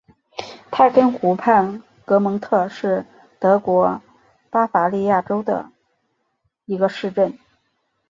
泰根湖畔格蒙特是德国巴伐利亚州的一个市镇。